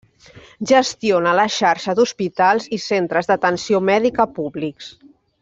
Gestiona la xarxa d'Hospitals i centres d'atenció mèdica públics.